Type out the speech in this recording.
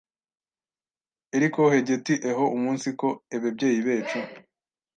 eriko hegeti eho umunsiko ebebyeyi becu